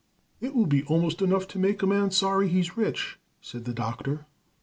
"It will be almost enough to make a man sorry he's rich," said the Doctor.